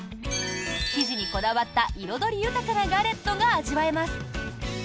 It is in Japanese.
生地にこだわった彩り豊かなガレットが味わえます。